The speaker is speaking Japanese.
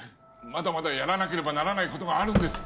まだまだやらなければならない事があるんです。